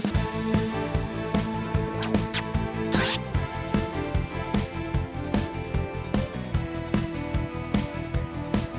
mohon tidak tahan apa apa